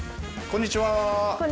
こんにちは。